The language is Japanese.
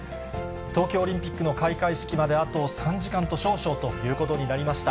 東京オリンピックの開会式まであと３時間と少々ということになりました。